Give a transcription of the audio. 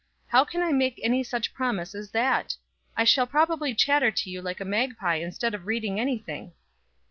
How can I make any such promise as that? I shall probably chatter to you like a magpie instead of reading any thing."